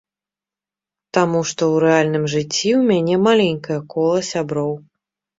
Таму што ў рэальным жыцці ў мяне маленькае кола сяброў.